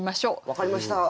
分かりました！